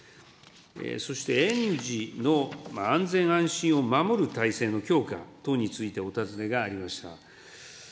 そして、園児の安全安心を守る体制の強化等についてお尋ねがありました。